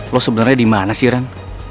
lo sebenernya dimana sih ren